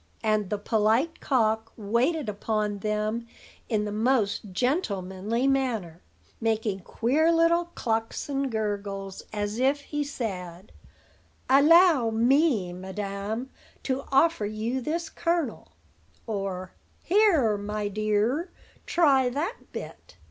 And the polite cock waited upon them in the most gentlemanly manner, making queer little clucks and gurgles as if he said: "Allow me, madam, to offer you this kernel;" or, "Here, my dear, try that bit."